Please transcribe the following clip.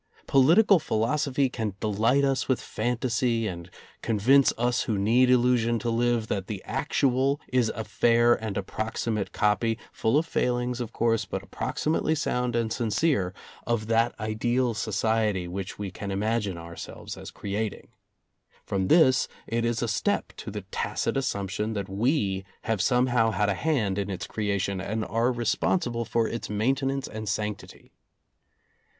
Political philosophy can delight us with fantasy and con vince us who need illusion to live that the actual is a fair and approximate copy — full of failings, of course, but approximately sound and sincere — of that ideal society which we can imagine ourselves as creating. From this it is a step to the tacit assumption that we have somehow had a hand in its creation and are responsible for its maintenance and sanctity.